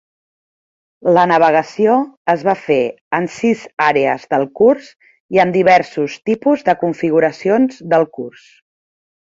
La navegació es va fer en sis àrees del curs i amb diversos tipus de configuracions del curs.